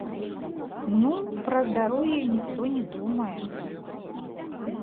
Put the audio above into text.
Ну, пра здароўе ніхто не думае.